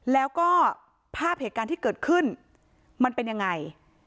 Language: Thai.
แล้วก็ภาพเหตุการณ์ที่เกิดขึ้นมันเป็นยังไง